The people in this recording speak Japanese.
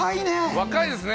若いですね。